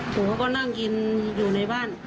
ผมก็นั่งกินอยู่ในบ้าน